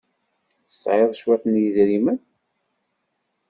Tesɛiḍ cwiṭ n yedrimen?